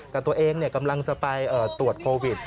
แต่ตัวเองกำลังจะไปตรวจโควิด